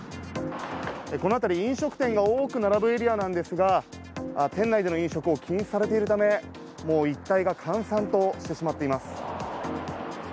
この辺り、飲食店が多く並ぶエリアなんですが、店内での飲食を禁止されているため、もう一帯が閑散としてしまっています。